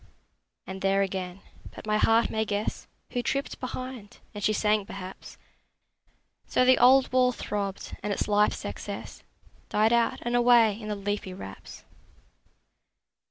And there again! But my heart may guess Who tripped behind; and she sang, perhaps: So the old wall throbbed, and its life's excess Died out and away in the leafy wraps.